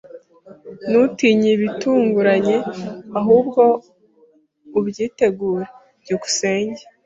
Ntutinye ibitunguranye, ahubwo ubyitegure. byukusenge